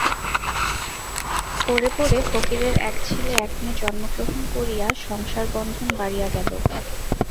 পরে পরে ফকিরের এক ছেলে এক মেয়ে জন্মগ্রহণ করিয়া সংসারবন্ধন বাড়িয়া গেল।